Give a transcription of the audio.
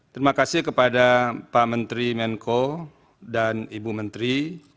terima kasih kepada pak menteri menko dan ibu menteri